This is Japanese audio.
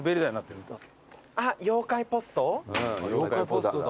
妖怪ポストだ。